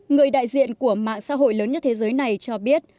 người đại diện của mạng xã hội lớn nhất thế giới này cho biết